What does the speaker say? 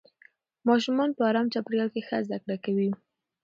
ماشومان په ارام چاپېریال کې ښه زده کړه کوي